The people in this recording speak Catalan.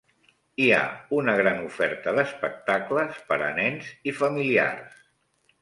Hi ha una gran oferta d'espectacles per a nens i familiars.